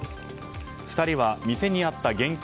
２人は店にあった現金